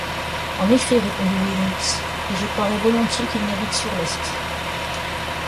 En effet, répondit Will Mitz, et je croirais volontiers qu’il navigue sur lest.